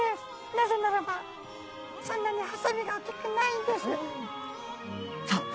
なぜならばそんなにハサミが大きくないんです」。